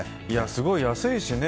すごい、安いしね。